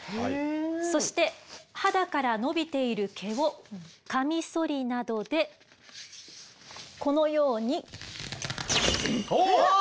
そして肌から伸びている毛をカミソリなどでこのように。おっ！あっ！